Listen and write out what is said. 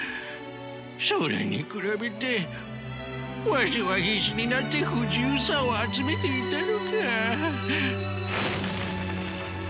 それに比べてわしは必死になって不自由さを集めていたのか。